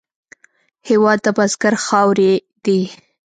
هېواد د بزګر خاورې دي.